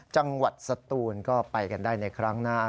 จังหวัดสตูนก็ไปกันได้ในครั้งหน้า